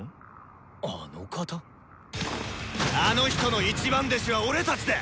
あの人の一番弟子は俺たちだ！